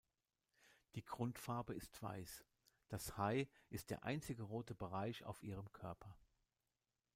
Die Grundfarbe ist weiß; das Hi ist der einzige rote Bereich auf ihrem Körper.